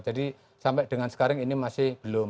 jadi sampai dengan sekarang ini masih belum